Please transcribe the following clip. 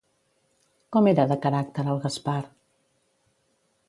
Com era de caràcter el Gaspar?